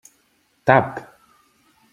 Tap!